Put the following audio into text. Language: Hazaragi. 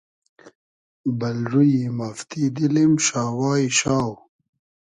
بئل رویی مافتی دیلیم شاوای شاو